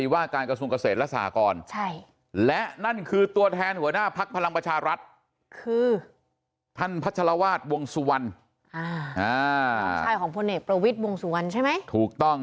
วาดวงสุวันอ่าชายของผลเอกประวิทวงสุวันใช่ไหมถูกต้อง